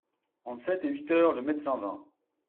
Entre sept et huit heures le médecin vint.